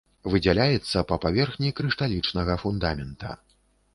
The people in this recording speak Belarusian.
Выдзяляецца па паверхні крышталічнага фундамента.